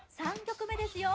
３曲目ですよ